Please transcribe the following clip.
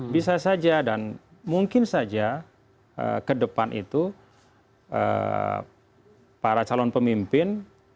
bisa saja dan mungkin saja ke depan itu para calon pemimpin